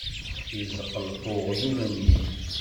Yezzeqleṭ uɣyul-nni.